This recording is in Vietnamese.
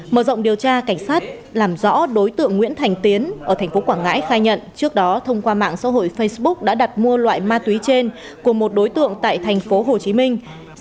mở rộng điều tra cảnh sát làm rõ đối tượng nguyễn thành tiến ở thành phố quảng ngãi khai nhận trước đó thông qua mạng xã hội facebook đã đặt mua loại ma túy trên của một đối tượng tại thành phố hồ chí minh